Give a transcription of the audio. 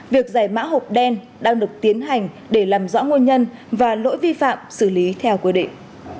việc giải mã hộp đen đang được tiến hành để làm rõ nguồn nhân và lỗi vi phạm xử lý theo quy định